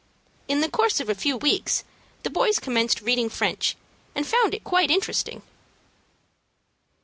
In the course of a few weeks the boys commenced reading French, and found it quite interesting.